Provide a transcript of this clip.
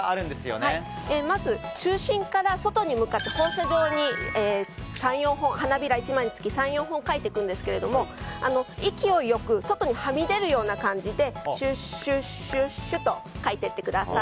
まず中心から外に向かって放射状に花びら１枚につき、３４本描いていくんですが、勢いよく外にはみ出るような感じでシュッシュッシュッと描いてください。